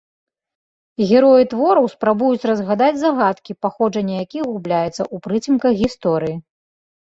Героі твораў спрабуюць разгадаць загадкі, паходжанне якіх губляецца ў прыцемках гісторыі.